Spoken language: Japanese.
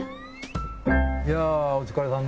いやお疲れさんでした。